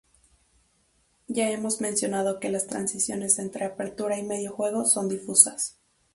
Ya hemos mencionado que las transiciones entre apertura y medio juego son difusas.